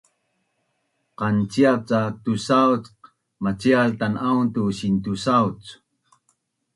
Qanciap cak tusauc macial tan’aun tu sintusauc